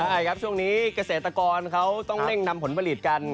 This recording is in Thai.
ใช่ครับช่วงนี้เกษตรกรเขาต้องเร่งนำผลผลิตกัน